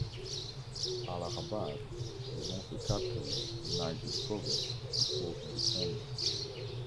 Allahabad was once the capital of United Province before independence.